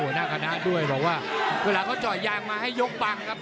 หัวหน้าคณะด้วยบอกว่าเวลาเขาเจาะยางมาให้ยกบังครับ